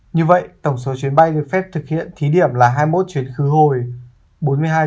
như vậy tổng số chuyến bay được phép thực hiện thí điểm là hai mươi một chuyến khứ hồi